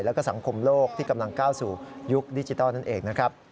แล้วก็สังคมโลกที่กำลังก้าวสู่ยุคดิจิทัลนั่นเองนะครับ